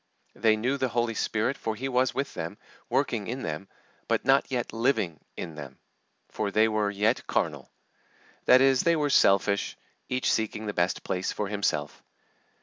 They knew the Holy Spirit, for He was with them, working in them, but not yet living in them, for they were yet carnal; that is, they were selfish, each seeking the best place for himself.